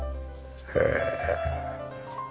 へえ。